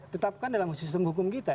tetapkan dalam sistem hukum kita